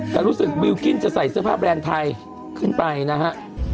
แต่รู้สึกบิลกิ้นจะใส่เสื้อผ้าแบรนด์ไทยขึ้นไปนะฮะ